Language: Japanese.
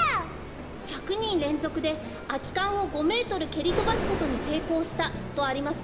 「１００にんれんぞくであきかんを５メートルけりとばすことにせいこうした」とありますね。